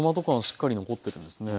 しっかり残ってるんですね。